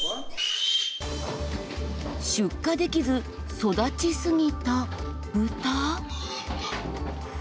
出荷できず、育ちすぎた豚？